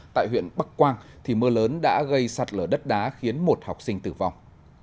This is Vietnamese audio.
tại huyện bắc quang mưa lớn đã gây sạt lở đất đá khiến một học sinh tử vong